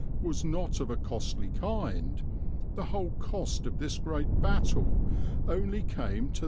was not of a costly kind, the whole cost of this great battle only came to 3s.